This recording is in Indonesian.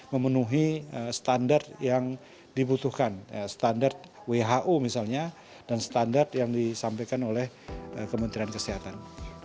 memenuhi standar yang dibutuhkan standar who misalnya dan standar yang disampaikan oleh kementerian kesehatan